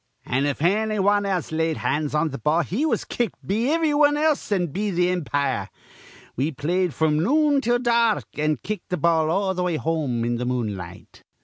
An', if anny wan laid hands on th' ball, he was kicked be ivry wan else an' be th' impire. We played fr'm noon till dark, an' kicked th' ball all th' way home in the moonlight.